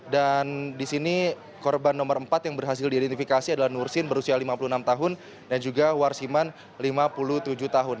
dan di sini korban nomor empat yang berhasil diidentifikasi adalah nur sin berusia lima puluh enam tahun dan juga warsiman lima puluh tujuh tahun